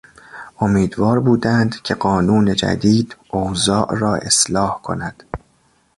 امیدوار بودند که قانون جدید اوضاع را اصلاح کند.